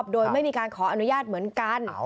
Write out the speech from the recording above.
โดยไม่มีการขออนุญาตเหมือนกัน